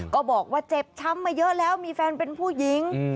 ก็บอกว่าเจ็บช้ำมาเยอะแล้วมีแฟนเป็นผู้หญิง